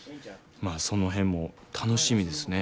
まあその辺も楽しみですね。